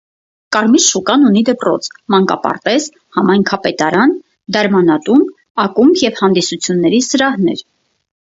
Կարմիր շուկան ունի դպրոց, մանկապարտէզ, համայնքապետարան, դարմանատուն, ակումբ եւ հանդիսութիւններու սրահներ։